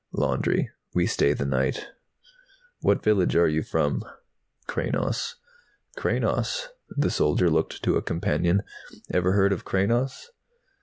"Laundry. We stay the night." "What village are you from?" "Kranos." "Kranos?" The soldier looked to a companion. "Ever heard of Kranos?"